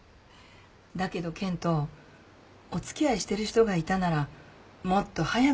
だけど健人お付き合いしてる人がいたならもっと早く紹介してほしかったわ。